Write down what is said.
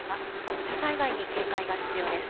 土砂災害に警戒が必要です。